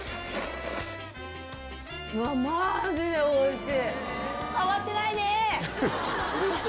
マジでおいしい！